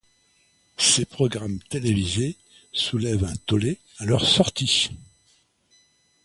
Ces programmes télévisés soulèvent un tollé à leur sortie.